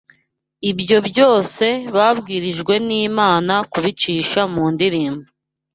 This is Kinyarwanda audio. ibyo byose babwirijwe n’Imana kubicisha mu ndirimbo